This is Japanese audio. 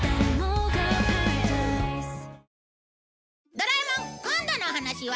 『ドラえもん』今度のお話は